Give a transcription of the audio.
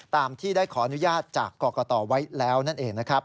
ตามที่ได้ขออนุญาตจากกรกตไว้แล้วนั่นเองนะครับ